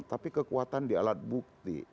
tapi kekuatan di alat bukti